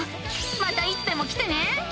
またいつでも来てね。